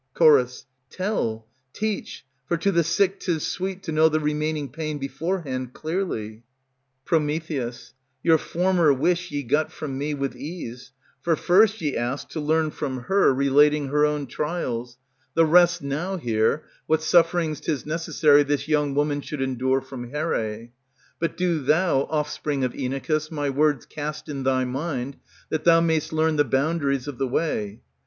Ch. Tell, teach; for to the sick 't is sweet To know the remaining pain beforehand clearly. Pr. Your former wish ye got from me With ease; for first ye asked to learn from her Relating her own trials; The rest now hear, what sufferings 't is necessary This young woman should endure from Here. But do thou, offspring of Inachus, my words Cast in thy mind, that thou may'st learn the boundaries of the way.